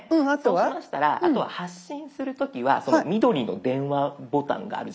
そうしましたらあとは発信する時は緑の電話ボタンがあるじゃないですか。